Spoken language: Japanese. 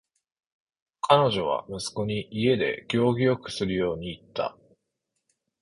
彼女は息子に家で行儀よくするように言った。